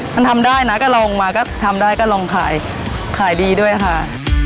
มันทำได้นะก็ลองมาก็ทำได้ก็ลองขายขายดีด้วยค่ะ